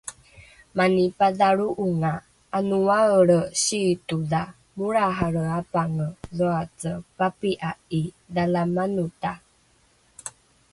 Mani padhalro'onga 'anoaelre siitodha molrahalre apange dhoace papi'a 'i Dhalamanota